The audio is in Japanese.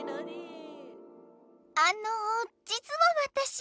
あのじつはわたし。